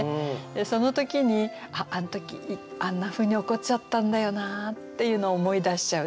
その時にあっあの時あんなふうに怒っちゃったんだよなっていうのを思い出しちゃうっていう。